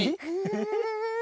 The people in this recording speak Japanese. フフフフ！